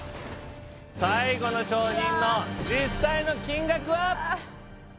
最後の商品の実際の金額は？